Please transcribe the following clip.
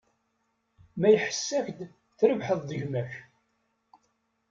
Ma iḥess-ak-d, trebḥeḍ-d gma-k.